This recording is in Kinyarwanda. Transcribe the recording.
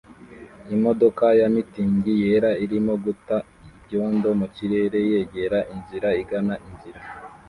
Imodoka ya mitingi yera irimo guta ibyondo mu kirere yegera inzira igana inzira